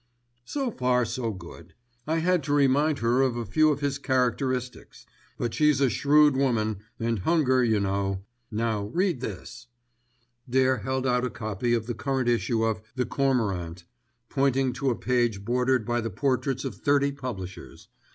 "So far so good. I had to remind her of a few of his characteristics; but she's a shrewd woman, and hunger you know. Now read this." Dare held out a copy of the current issue of The Cormorant, pointing to a page bordered by the portraits of thirty publishers.